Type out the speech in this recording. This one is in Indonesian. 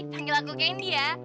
panggil aku candy ya